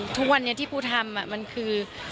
ทุกวันนี้ที่ปูทำมันคือ